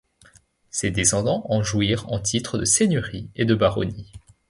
Ses descendants en jouirent en titre de seigneurie et de baronnie.